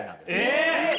え！